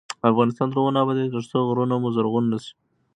افغانستان تر هغو نه ابادیږي، ترڅو غرونه مو زرغون نشي.